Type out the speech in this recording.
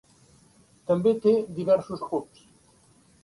També té diversos pubs.